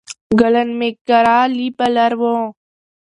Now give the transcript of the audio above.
ګلن میک ګرا عالي بالر وو.